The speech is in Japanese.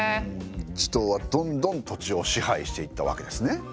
地頭はどんどん土地を支配していったわけですね。